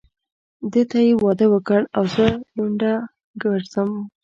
ده ته يې واده وکړ او زه لونډه ګرځم.